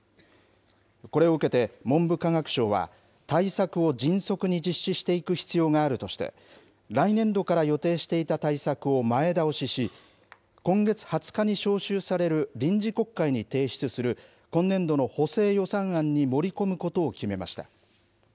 これを受けて、文部科学省は対策を迅速に実施していく必要があるとして、来年度から予定していた対策を前倒しし、今月２０日に召集される臨時国会に提出する今年度の補正予算案に盛り込むことを決めました。